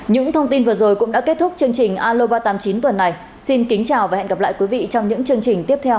những thông tin vừa rồi cũng đã kết thúc chương trình alo ba trăm tám mươi chín tuần này xin kính chào và hẹn gặp lại quý vị trong những chương trình tiếp theo